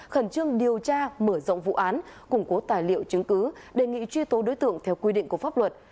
khẩn trương điều tra mở rộng vụ án củng cố tài liệu chứng cứ đề nghị truy tố đối tượng theo quy định của pháp luật